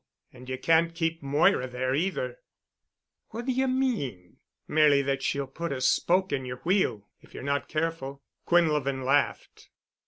And you can't keep Moira there either." "What d'ye mean?" "Merely that she'll put a spoke in your wheel if you're not careful." Quinlevin laughed.